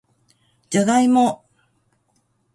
じゃがいも